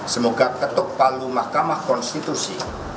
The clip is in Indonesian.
semoga ketuk palu mahkamah konstitusi